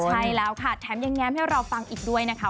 ใช่แล้วค่ะแถมยังแง้มให้เราฟังอีกด้วยนะคะ